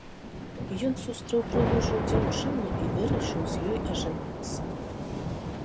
Ён сустрэў прыгожую дзяўчыну і вырашыў з ёй ажаніцца.